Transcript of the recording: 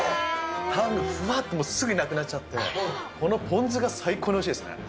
タン、ふわっとすぐになくなっちゃって、このポン酢が最高においしいですね。